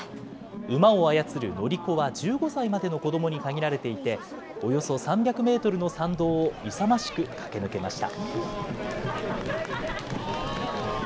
馬を操る乗子は１５歳までの子どもに限られていて、およそ３００メートルの参道を勇ましく駆け抜けました。